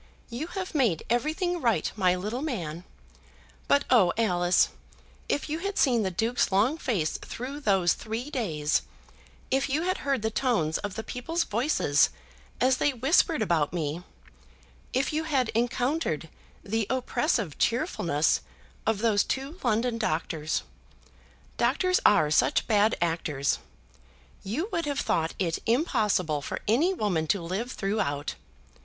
"You have made everything right, my little man. But oh, Alice, if you had seen the Duke's long face through those three days; if you had heard the tones of the people's voices as they whispered about me; if you had encountered the oppressive cheerfulness of those two London doctors, doctors are such bad actors, you would have thought it impossible for any woman to live throughout.